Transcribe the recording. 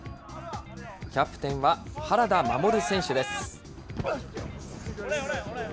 キャプテンは原田衛選手です。